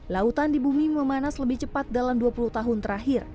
lautan di bumi memanas lebih cepat dalam dua puluh tahun terakhir